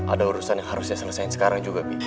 ada urusan yang harus saya selesaikan sekarang juga